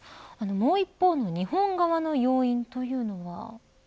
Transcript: もう一方の日本側の要因というのは。